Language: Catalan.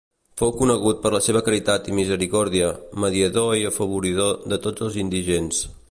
Fou conegut per la seva caritat i misericòrdia, mediador i afavoridor de tots els indigents.